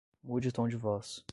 Mude o tom de voz